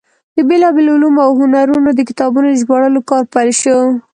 د بېلابېلو علومو او هنرونو د کتابونو د ژباړلو کار پیل شو.